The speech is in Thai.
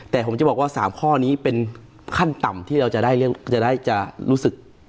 แต่ผมจะบอกว่า๓ข้อนี้เป็นขั้นต่ำที่เราจะได้จะรู้สึก